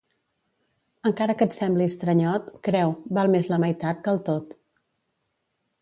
Encara que et sembli estranyot, creu, val més la meitat que el tot.